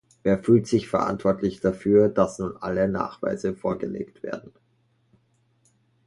Wer fühlt sich verantwortlich dafür, dass nun alle Nachweise vorgelegt werden?